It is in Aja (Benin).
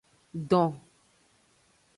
Don.